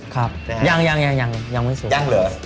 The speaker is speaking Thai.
ครับยังยังยังยังยังไม่สูง